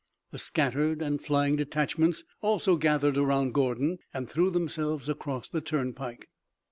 The scattered and flying detachments also gathered around Gordon and threw themselves across the turnpike.